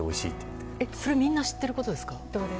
みんな知っていることですか？